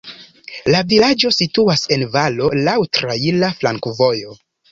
La vilaĝo situas en valo, laŭ traira flankovojo.